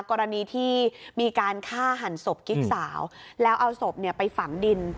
กรณีที่มีการฆ่าหันศพกิ๊กสาวแล้วเอาศพไปฝังดิน